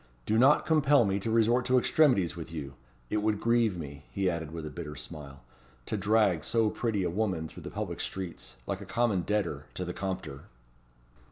Do not compel me to resort to extremities with you. It would grieve me," he added with a bitter smile, "to drag so pretty a woman through the public streets, like a common debtor, to the Compter."